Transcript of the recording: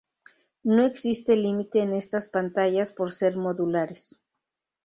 No existe límite en estas pantallas por ser modulares.